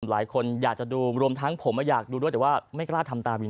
หลายคนอยากจะดูรวมทั้งผมอยากดูด้วยแต่ว่าไม่กล้าทำตามวิน